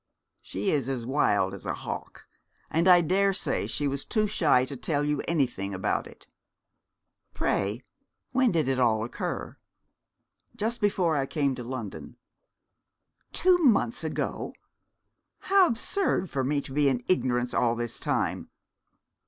'She is as wild as a hawk, and I daresay she was too shy to tell you anything about it.' 'Pray when did it all occur?' 'Just before I came to London.' 'Two months ago. How absurd for me to be in ignorance all this time!